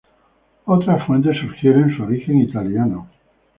Otras fuentes sugieren su origen italiano.